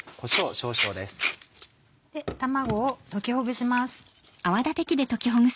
卵を溶きほぐします。